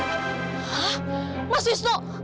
hah mas wisnu